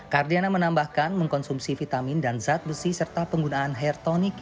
kardiana menambahkan mengkonsumsi vitamin dan zat besi serta penggunaan hair tonic